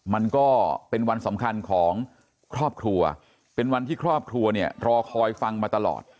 มันก็เป็นวันสำคัญของครอบครัวเป็นวันที่ครอบครัวเนี่ยรอคอยฟังมาตลอด